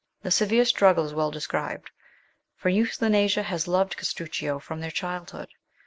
The severe struggle is well described, for Euthanasia has loved Castruccio from their childhood.